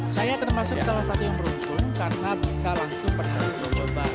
saya termasuk salah satu yang beruntung karena bisa langsung berhasil mencoba